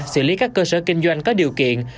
xử lý các cơ sở kinh doanh có điều kiện